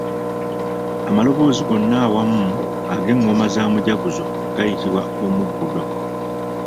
Amalaboozi gonna awamu ag’engoma za mujaguzo gayitibwa omugudo.